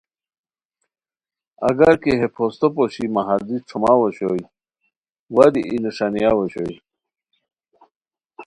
اگر کی ہے پھوستو پوشی مہ ہردی ݯھوماؤ اوشوئے وا دی ای نݰانیاوشوئے